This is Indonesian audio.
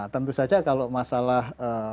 tentu saja kalau masalah